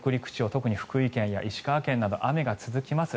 特に福井県、石川県など雨が続きます。